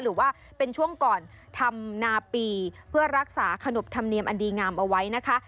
หรือว่าเป็นช่วงก่อนทำนาปีเพื่อรักษาขนบธรรมเนียมอันดีงามเอาไว้นะคะ